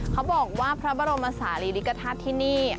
เขาบอกว่าพระบรมศาลีริกฐาตุที่นี่